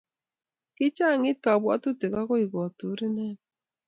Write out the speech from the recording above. kichang'it kabwotutik akoi kotur inendet